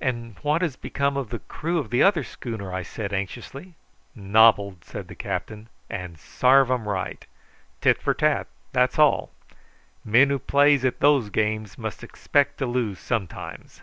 "And what has become of the crew of the other schooner?" I said anxiously. "Nobbled," said the captain; "and sarve 'em right. Tit for tat; that's all. Men who plays at those games must expect to lose sometimes.